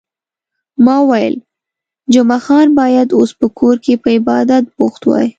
ما وویل، جمعه خان باید اوس په کور کې په عبادت بوخت وای.